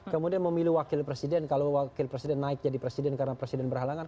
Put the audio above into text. kemudian memilih wakil presiden kalau wakil presiden naik jadi presiden karena presiden berhalangan